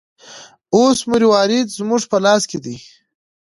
اوس مروارید زموږ په لاس کې دی.